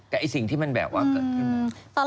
แต่ไอ้สิ่งที่มันแบบว่าเกิดขึ้น